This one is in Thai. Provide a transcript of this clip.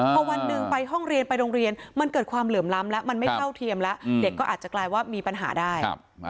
พอวันหนึ่งไปห้องเรียนไปโรงเรียนมันเกิดความเหลื่อมล้ำแล้วมันไม่เท่าเทียมแล้วเด็กก็อาจจะกลายว่ามีปัญหาได้